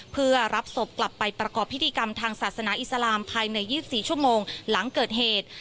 เพื่อรับศพกลับไปประกอบพิธีกรรมทางศาสนาอิสลามภายใน๒๔ชั่วโมงหลังเกิดเหตุ